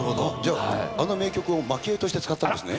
あの名曲をまきえとして使ってたんですね。